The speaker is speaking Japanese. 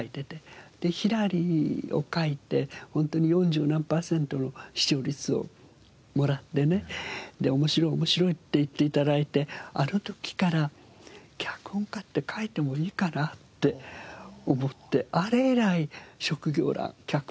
で『ひらり』を書いてホントに四十何パーセントの視聴率をもらってねで面白い面白いって言って頂いてあの時から「脚本家」って書いてもいいかなって思ってあれ以来職業欄脚本家なんです。